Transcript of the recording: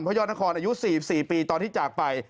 ยอดนครอายุ๔๔ปีตอนที่จากไป